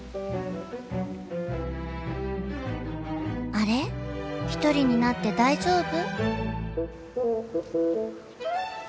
あれ１人になって大丈夫？